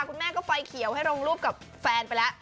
คุณแม่ก็ไฟเขียวให้ลงรูปกับแฟนไปแล้ว